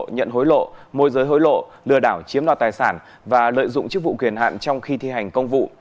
nhận hối lộ môi giới hối lộ lừa đảo chiếm đoạt tài sản và lợi dụng chức vụ quyền hạn trong khi thi hành công vụ